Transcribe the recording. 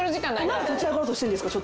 何で立ち上がろうとしてんですか？